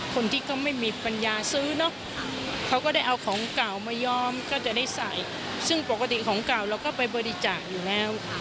คนที่เขาไม่มีปัญญาซื้อเนอะเขาก็ได้เอาของเก่ามายอมก็จะได้ใส่ซึ่งปกติของเก่าเราก็ไปบริจาคอยู่แล้ว